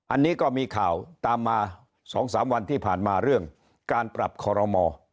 อันนี้ก็มีข่าวตามมา๒๓วันที่ผ่านมาเรื่องการปรับคอรมอ